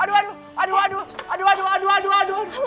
aduh aduh aduh aduh aduh aduh aduh aduh aduh aduh